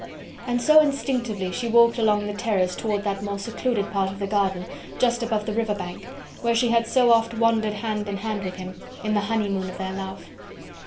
And so instinctively she walked along the terrace towards that more secluded part of the garden just above the river bank, where she had so oft wandered hand in hand with him, in the honeymoon of their love.